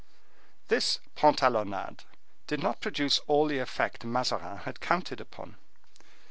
This pantalonnade did not produce all the effect Mazarin had counted upon.